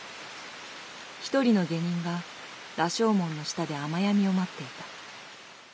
一人の下人が、羅生門の下で雨やみを待っていた。」